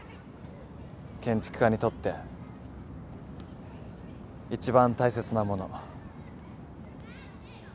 建築家にとって一番大切なもの。